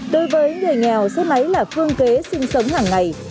đối với người nghèo xe máy là phương kế sinh sống hàng ngày